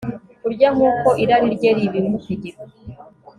kurya nkuko irari rye ribimutegeka